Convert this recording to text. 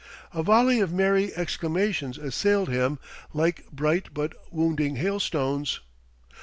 A volley of merry exclamations assailed him like bright but wounding hailstones.